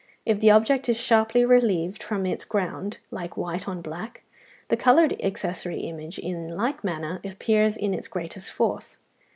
If the object is sharply relieved from its ground, like white on black, the coloured accessory image in like manner appears in its greatest force.